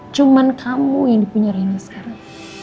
cuman kamu yang dipunya reina sekarang